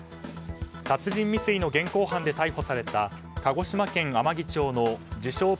殺人未遂の現行犯で逮捕された鹿児島県天城町の自称